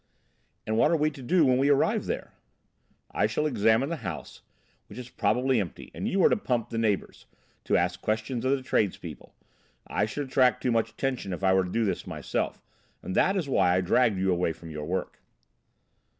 "And what are we to do when we arrive there?" "I shall examine the house, which is probably empty, and you are to 'pump' the neighbours, to ask questions of the tradespeople. I should attract too much attention if I were to do this myself, and that is why I dragged you away from your work."